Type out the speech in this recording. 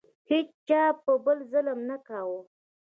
هیچا په بل ظلم نه کاوه.